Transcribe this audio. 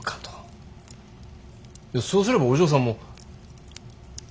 そうすればお嬢さんも。